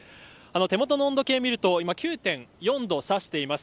手元の温度計を見ると９．４度を指しています。